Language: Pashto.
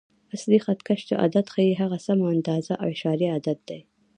اصلي خط کش چې عدد ښیي، هغه سمه اندازه او اعشاریه عدد دی.